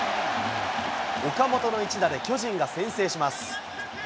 岡本の一打で巨人が先制します。